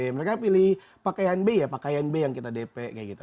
mereka pilih pakaian b ya pakaian b yang kita dp kayak gitu